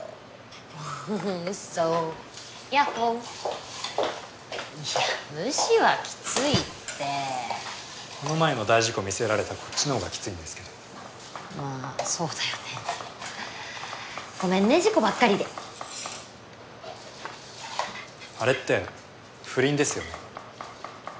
・フフウッソやっほいや無視はきついってこの前の大事故見せられたこっちのほうがきついですけどまぁそうだよねごめんね事故ばっかりであれって不倫ですよね